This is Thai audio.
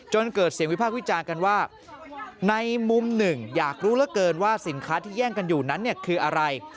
เกิดเสียงวิพากษ์วิจารณ์กันว่าในมุมหนึ่งอยากรู้เหลือเกินว่าสินค้าที่แย่งกันอยู่นั้นเนี่ยคืออะไร